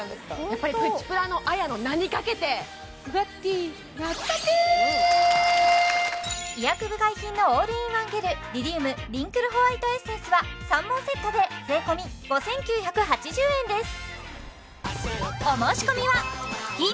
やっぱりプチプラのあやの名にかけて医薬部外品のオールインワンゲルリリウムリンクルホワイトエッセンスは３本セットで税込５９８０円です